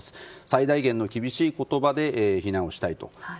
最大限の厳しい言葉で非難をしたいと。